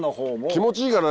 気持ちがいいな。